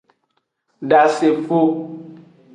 Dasefo.